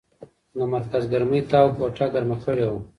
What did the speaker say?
د مرکز ګرمۍ تاو کوټه ګرمه کړې وه.